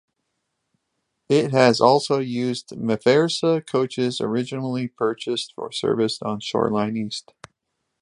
It has also used Mafersa coaches originally purchased for service on Shore Line East.